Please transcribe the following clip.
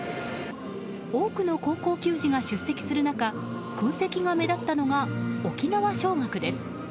多くの高校球児が出席する中空席が目立ったのが沖縄尚学です。